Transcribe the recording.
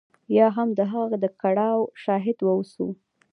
یا هم د هغه د کړاو شاهد واوسو.